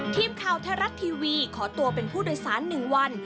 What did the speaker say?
ทีมข่าวไทยรัฐทีวีขอตัวเป็นผู้โดยสาร๑วัน